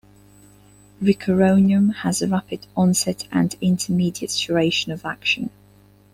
Rocuronium has a rapid onset and intermediate duration of action.